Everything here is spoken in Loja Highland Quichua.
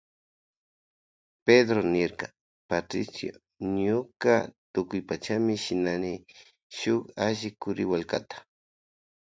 Pedró niyrka Patricio ñuka tukuypachami shinani shuk alli kuriwallkata.